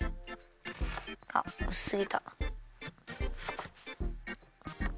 あっうすすぎた。